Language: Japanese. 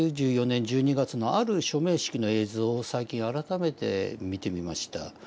９４年１２月のある署名式の映像を最近改めて見てみました。